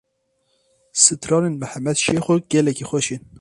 Stranên Mihemed Şêxo gelekî xweş in.